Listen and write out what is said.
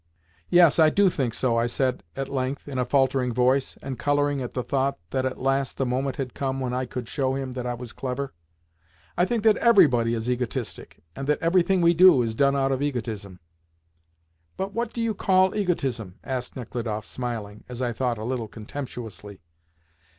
"Yes, I do think so," I said at length in a faltering voice, and colouring at the thought that at last the moment had come when I could show him that I was clever. "I think that everybody is egotistic, and that everything we do is done out of egotism." "But what do you call egotism?" asked Nechludoff—smiling, as I thought, a little contemptuously.